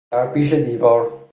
در پیش دیوار